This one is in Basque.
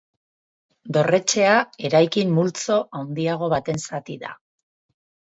Dorretxea eraikin multzo handiago baten zati da.